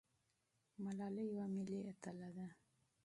ملالۍ یوه ملي اتله ده.